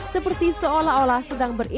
seperti seolah olah sedang beriba